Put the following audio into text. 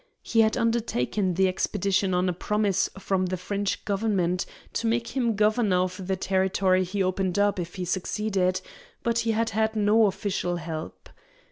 He had undertaken the expedition on a promise from the French government to make him governor of the territory he opened up if he succeeded, but he had had no official help.